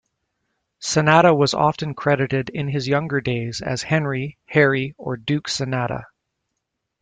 Sanada was often credited in his younger days as Henry, Harry, or Duke Sanada.